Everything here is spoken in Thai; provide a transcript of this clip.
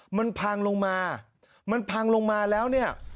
มันพังลงมามันพังลงมาแล้วเนี่ย